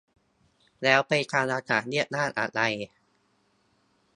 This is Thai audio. แล้วไปทางอากาศเรียกว่าอะไร